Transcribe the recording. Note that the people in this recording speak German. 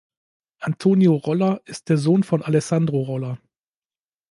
Antonio Rolla ist der Sohn von Alessandro Rolla.